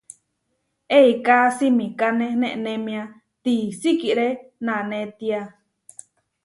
Eiká simikáne nenémia tisikíre nanétia.